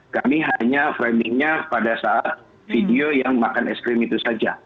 kami hanya framingnya pada saat video yang makan es krim itu saja